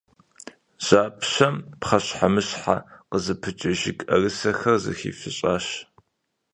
Жьапщэм пхъэщхьэмыщхьэ къызыпыкӏэ жыг ӏэрысэхэр зэхифыщӏащ.